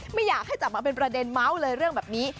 ไม่อยากให้จับมาเป็นประเด็นเมาส์เลยเรื่องแบบนี้